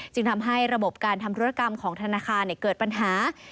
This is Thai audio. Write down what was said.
จึงทำให้ระบบการทำธุรกรรมของธนาคารเกิดปัญหา